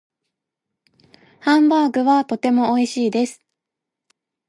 ハンバーグはとても美味しいです。